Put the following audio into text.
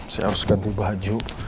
saya harus ganti baju